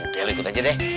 oke lu ikut aja deh